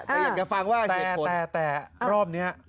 แต่อยากจะฟังว่าแย่แต่รอบนี้